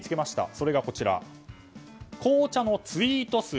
それが紅茶のツイート数。